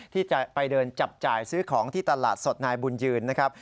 ที่จะไปเดินจับจ่ายซื้อของที่ตลาดสดนายบุญยืนนะครับ